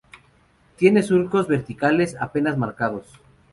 Tienen surcos verticales apenas marcados.